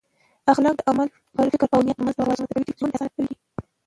اخلاق د عمل، فکر او نیت ترمنځ توازن رامنځته کوي چې ژوند اسانه کوي.